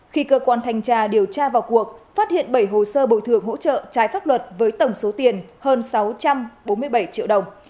khi cơ quan thanh tra điều tra vào cuộc phát hiện bảy hồ sơ bồi thường hỗ trợ trái pháp luật với tổng số tiền hơn sáu trăm bốn mươi bảy triệu đồng